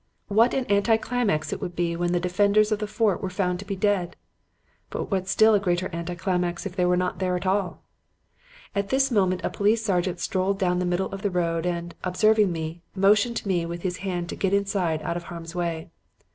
What an anticlimax it would be when the defenders of the fort were found to be dead! But what a still greater anticlimax if they were not there at all! "At this moment a police sergeant strolled down the middle of the road and, observing me, motioned to me with his hand to get inside out of harm's way.